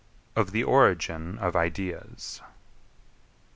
OF THE ORIGIN OF IDEAS.